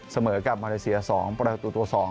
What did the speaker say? เสมอกับมาเลเซีย๒ประตูต่อ๒